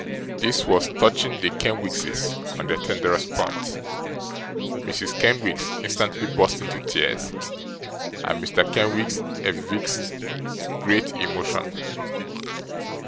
This was touching the Kenwigses on their tenderest point. Mrs. Kenwigs instantly burst into tears, and Mr. Kenwigs evinced great emotion.